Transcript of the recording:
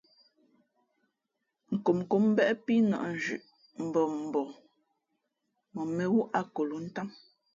Nkomnkǒm mbéʼ pí nᾱʼ nzhʉʼ mbα mbαα mα mēnwú akolǒʼ ntám.